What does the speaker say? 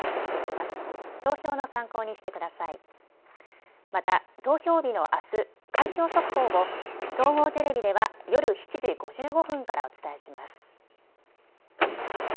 また、投票日のあす、開票速報を総合テレビでは夜７時５５分からお伝えします。